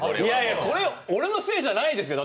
これは俺のせいじゃないですよ。